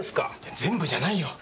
全部じゃないよ。